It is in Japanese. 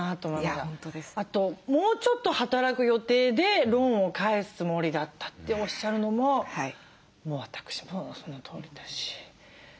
あともうちょっと働く予定でローンを返すつもりだったっておっしゃるのも私もそのとおりだし。